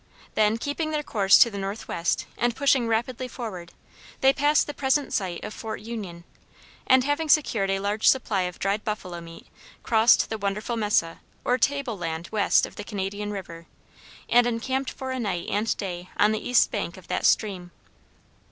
Then, keeping their course to the northwest and pushing rapidly forward, they passed the present site of Fort Union, and, having secured a large supply of dried buffalo meat, crossed the wonderful mesa or table land west of the Canadian River, and encamped for a night and day on the east bank of that stream.